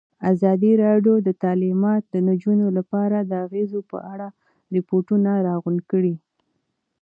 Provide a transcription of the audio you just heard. ازادي راډیو د تعلیمات د نجونو لپاره د اغېزو په اړه ریپوټونه راغونډ کړي.